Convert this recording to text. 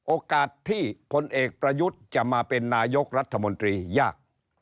โอกาสที่พลเอกประยุทธ์จะมาเป็นนายกรัฐมนตรียาก